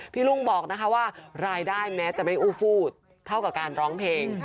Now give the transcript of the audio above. ลุงบอกนะคะว่ารายได้แม้จะไม่อู้ฟู้เท่ากับการร้องเพลง